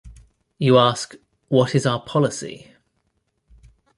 You ask, what is our policy?